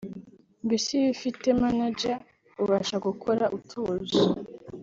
…mbese iyo ufite manager ubasha gukora utuje